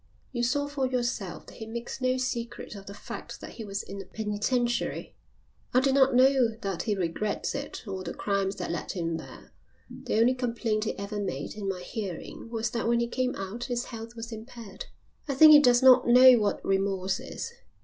You saw for yourself that he makes no secret of the fact that he was in a penitentiary. I do not know that he regrets it or the crimes that led him there. The only complaint he ever made in my hearing was that when he came out his health was impaired. I think he does not know what remorse is.